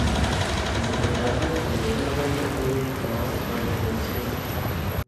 Mesopotamia was irrevocably lost for the Persians.